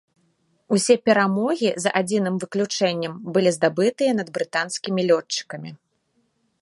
Усе перамогі, за адзіным выключэннем, былі здабытыя над брытанскімі лётчыкамі.